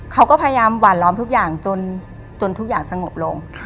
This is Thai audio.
เขาก็พยายามหวานล้อมทุกอย่างจนทุกอย่างสงบลง